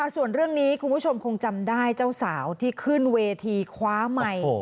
ส่วนเรื่องนี้คุณผู้ชมคงจำได้เจ้าสาวที่ขึ้นเวทีคว้าไมค์